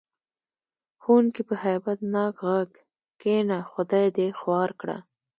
ښوونکي په هیبت ناک غږ: کېنه خدای دې خوار کړه.